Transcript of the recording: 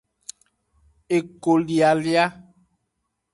Ekolialia.